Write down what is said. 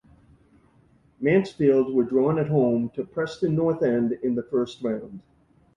Mansfield were drawn at home to Preston North End in the first round.